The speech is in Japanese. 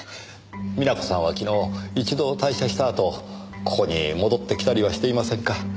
美奈子さんは昨日一度退社したあとここに戻ってきたりはしていませんか？